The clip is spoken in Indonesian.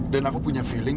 dan aku punya feeling